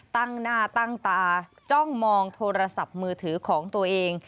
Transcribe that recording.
ตั้งหน้าตั้งตาจ้องมองโทรศัพท์มือถือของตัวเอง